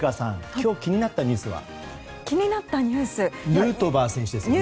今日、気になったニュースは？